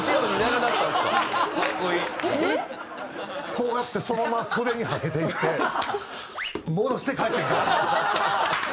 こうやってそのまま袖にはけていって戻して帰ってきた。